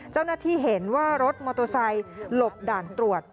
เจ้าหน้าที่เห็นว่ารถมอเตอร์ไซค์หลบด่านตรวจ